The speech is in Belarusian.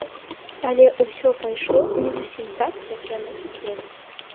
Але ўсё пайшло не зусім так, як яны хацелі.